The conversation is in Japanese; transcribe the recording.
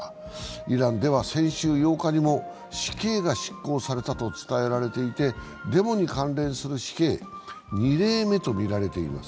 イランでは先週８日にも死刑が執行されたと伝えられていてデモに関連する死刑、２例目とみられています。